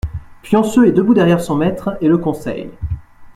Pionceux est debout derrière son maître et le conseille.